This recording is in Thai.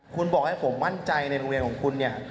คุณบอกให้ผมมั่นใจในโรงเรียนของคุณเนี่ย